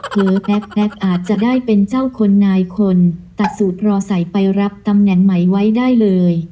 แป๊กอาจจะได้เป็นเจ้าคนนายคนตัดสูตรรอใส่ไปรับตำแหน่งใหม่ไว้ได้เลย